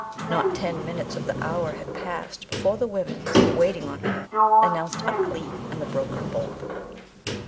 Not ten minutes of the hour had passed before the women waiting on her announced Ukleet and the broker Boolp.